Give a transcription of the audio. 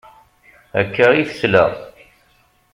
Akka i tesla.